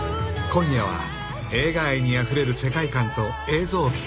［今夜は映画愛にあふれる世界観と映像美］